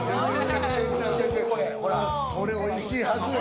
これ、おいしいはずや。